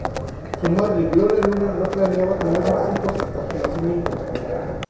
Su madre, Gloria Luna, no planeaba tener más hijos hasta su nacimiento.